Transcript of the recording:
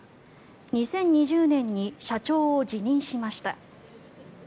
２０２０年に社長を辞任しました。